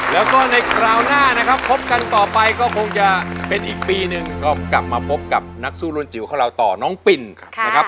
แล้วก็ในคราวหน้านะครับพบกันต่อไปก็คงจะเป็นอีกปีหนึ่งก็กลับมาพบกับนักสู้รุ่นจิ๋วของเราต่อน้องปินนะครับ